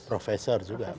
profesor juga pak isi